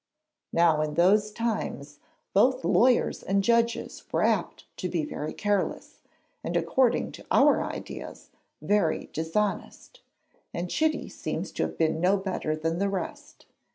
Now in those times both lawyers and judges were apt to be very careless, and according to our ideas, very dishonest, and Chitty seems to have been no better than the rest.